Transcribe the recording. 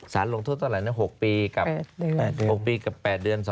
สารลงทุกข์เท่าไหร่๖ปีกับ๘เดือน